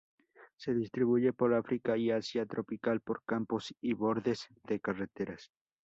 Se distribuye por África y Asia tropical por campos y bordes de carreteras.